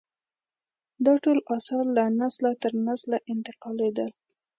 دا ټول اثار له نسله تر نسل ته انتقالېدل.